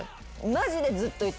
マジでずっと言ってる。